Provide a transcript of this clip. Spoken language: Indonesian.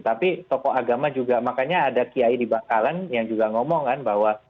tapi tokoh agama juga makanya ada kiai di bangkalan yang juga ngomong kan bahwa